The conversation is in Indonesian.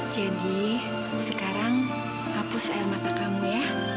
jadi sekarang hapus air mata kamu ya